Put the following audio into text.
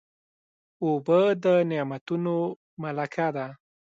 اوبه د نعمتونو ملکه ده.